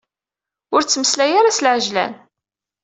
Ur ttmeslay ara s lɛejlan.